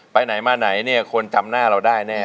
ไปไหนมาไหนเนี่ยคนจำหน้าเราได้แน่